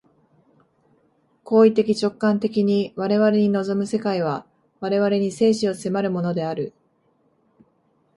行為的直観的に我々に臨む世界は、我々に生死を迫るものである。